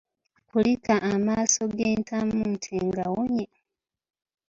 Kulika amaaso g'entamu nti ngawonye.